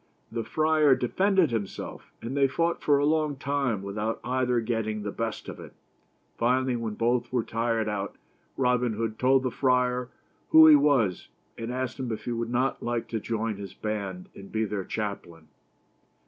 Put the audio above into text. The friar defended himself, and they fought for a long time without either getting the best of it. Finally, when both were tired out, Robin Hood told the friar who he was, and asked him if he would not like to join his band and be their chaplain.